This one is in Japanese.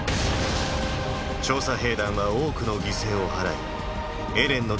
調査兵団は多くの犠牲を払いエレンの奪還に成功。